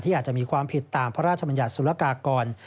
อาจจะมีความผิดตามพระราชบัญญัติสุรกากร